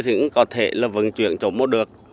thì cũng có thể là vận chuyển cho mốt được